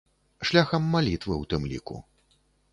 Шляхам малітвы ў тым ліку.